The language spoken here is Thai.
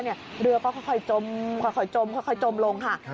เหลือก็ค่อยจมลงค่ะ